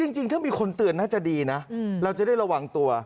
จริงถ้ามีคนเตือนน่าจะดีนะเราจะได้ระวังตัว